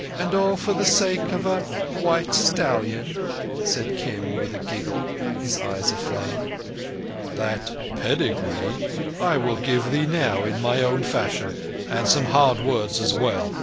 '" "And all for the sake of a white stallion," said Kim, with a giggle, his eyes aflame. "That pedigree I will give thee now—in my own fashion and some hard words as well."